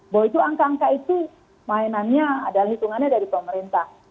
bahwa itu angka angka itu mainannya adalah hitungannya dari pemerintah